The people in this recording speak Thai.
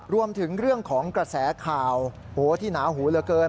รวมถึงเรื่องของกระแสข่าวที่หนาหูเหลือเกิน